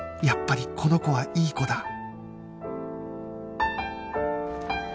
やっぱりこの子はいい子だ